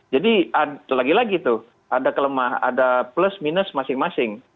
jadi lagi lagi tuh ada kelemah ada plus minus masing masing